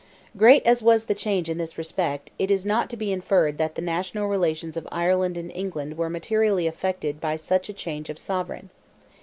Great as was the change in this respect, it is not to be inferred that the national relations of Ireland and England were materially affected by such a change of sovereign.